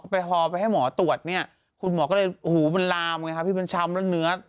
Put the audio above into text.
ไปให้หมอตรวจเนี่ยคุณหมอก็เลยหูมันลามไงครับพี่มันช้ำแล้วเนื้อ